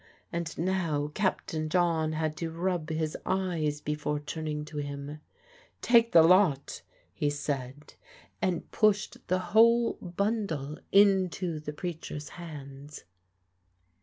And now Captain John had to rub his eyes before turning to him. "Take the lot," he said, and pushed the whole bundle into the preacher's hands.